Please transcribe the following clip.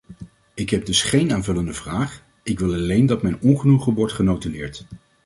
Ik heb dus geen aanvullende vraag; ik wil alleen dat mijn ongenoegen wordt genotuleerd.